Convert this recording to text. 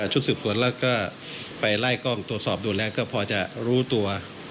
ชุดสืบสวนแล้วก็ไปไล่กล้องตรวจสอบดูแล้วก็พอจะรู้ตัว